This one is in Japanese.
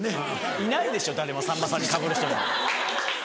いないでしょ誰もさんまさんにかぶる人なんて。